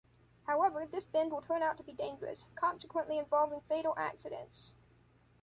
However, this bend will turn out to be dangerous, consequently involving fatal accidents.